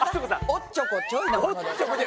おっちょこちょいなもので。